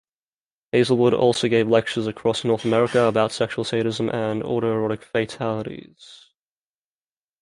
Hazelwood also gave lectures across North America about sexual sadism and autoerotic fatalities.